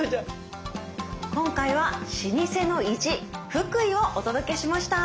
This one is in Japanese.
今回は「老舗の意地福井」をお届けしました。